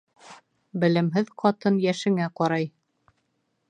Белемһеҙ ҡатын йәшеңә ҡарай.